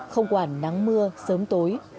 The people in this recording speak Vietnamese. không quản nắng mưa sớm tối